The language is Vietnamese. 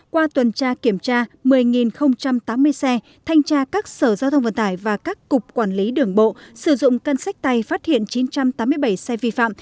qua tuần tra kiểm tra một mươi tám mươi xe thanh tra các sở giao thông vận tải và các cục quản lý đường bộ sử dụng cân sách tay phát hiện chín trăm tám mươi bảy xe vi phạm